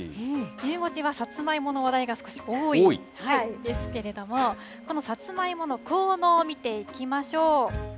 ゆう５時はさつまいもの話題が少し多いですけれども、このさつまいもの効能を見ていきましょう。